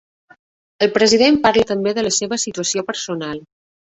El president parla també de la seva situació personal.